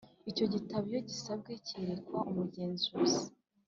Icyo gitabo iyo gisabwe cyerekwa umugenzuzi